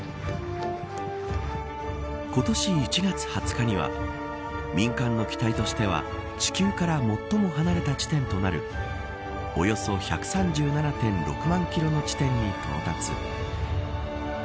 今年１月２０日には民間の機体としては、地球から最も離れた地点となるおよそ１３７．６万キロの地点に到達。